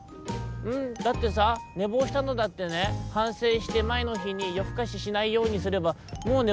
「ううんだってさねぼうしたのだってねはんせいしてまえのひによふかししないようにすればもうねぼうしなくなるでしょ。